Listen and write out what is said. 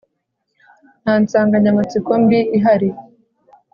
nta nsanganyamatsiko mbi ihari